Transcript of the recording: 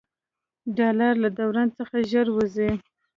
ډالر له دوران څخه ژر ووځي.